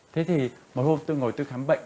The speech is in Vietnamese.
thế thì một hôm tôi ngồi tôi khám bệnh